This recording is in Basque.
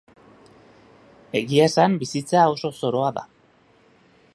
Egia esan, bizitza oso zoroa da.